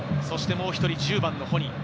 そしてもう１人、１０番のホニ。